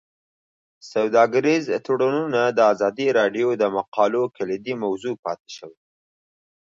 سوداګریز تړونونه د ازادي راډیو د مقالو کلیدي موضوع پاتې شوی.